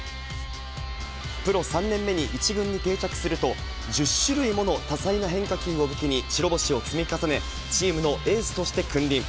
プロ３年目に１軍に定着すると、１０種類もの多彩な変化球を武器に、白星を積み重ね、チームのエースとして君臨。